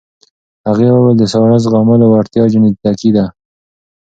هغې وویل د ساړه زغملو وړتیا جینیټیکي ده.